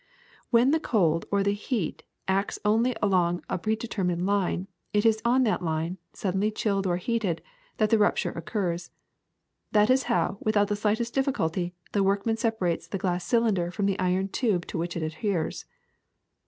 When the cold 152 THE SECRET OF EVERYDAY THINGS or the heat acts only along a predetermined line, it is on that line, suddenly chilled or heated, that the rup ture occurs. That is how, without the slightest diffi culty, the workman separates the glass cylinder from the iron tube to which it adheres.